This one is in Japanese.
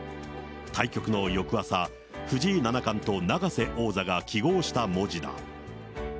対局の翌朝、藤井七冠と永瀬王座が揮ごうした文字だ。